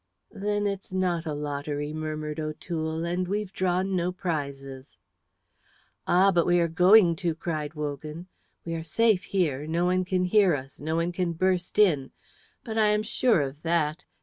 "Then it's not a lottery," murmured O'Toole, "and we've drawn no prizes." "Ah, but we are going to," cried Wogan. "We are safe here. No one can hear us; no one can burst in. But I am sure of that.